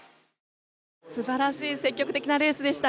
素晴らしい積極的なレースでした。